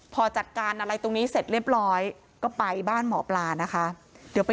พอจัดการอะไรตรงนี้เสร็จเรียบร้อยก็ไปบ้านหมอปลานะคะเดี๋ยวไป